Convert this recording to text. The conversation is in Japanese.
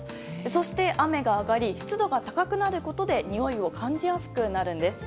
そして雨が上がり湿度が高くなることでにおいを感じやすくなるんです。